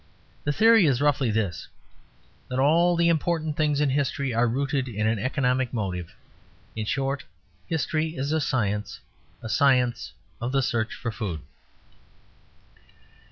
The theory is, roughly, this: that all the important things in history are rooted in an economic motive. In short, history is a science; a science of the search for food.